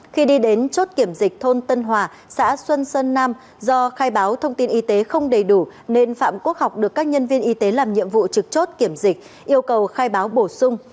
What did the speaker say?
khi đi đến chốt kiểm dịch thôn tân hòa xã xuân sơn nam do khai báo thông tin y tế không đầy đủ nên phạm quốc học được các nhân viên y tế làm nhiệm vụ trực chốt kiểm dịch yêu cầu khai báo bổ sung